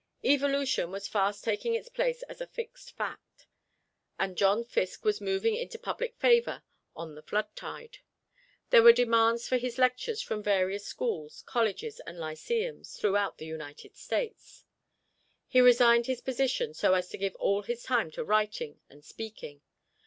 Evolution was fast taking its place as a fixed fact. And John Fiske was moving into public favor on the flood tide. There were demands for his lectures from various schools, colleges and lyceums, throughout the United States. He resigned his position so as to give all his time to writing and speaking.